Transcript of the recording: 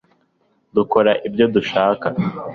dukora ibyo dushaka